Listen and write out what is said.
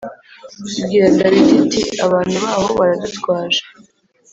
Ibwira Dawidi iti “Abantu baho baradutwaje